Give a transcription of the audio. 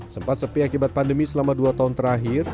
sempat sepi akibat pandemi selama dua tahun terakhir